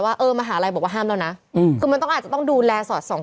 ว่าเออมหาลัยบอกว่าห้ามแล้วนะคือมันต้องอาจจะต้องดูแลสอดส่อง